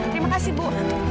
terima kasih bu